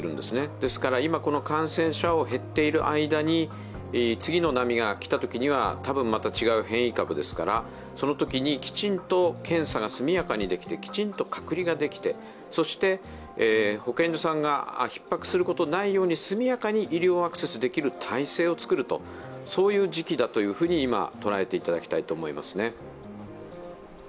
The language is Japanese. ですから今、この感染者が減っている間に、次の波が来たときには多分また違う変異株ですから、きちんと検査が速やかにできてきちんと隔離ができて、そして保健所さんがひっ迫することがないように速やかに医療アクセスできる体制を作る、そういう時期だというふうに今、捉えていただきたいと思いますね。